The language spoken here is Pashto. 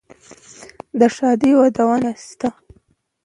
د ښادۍ ودونه یې شه،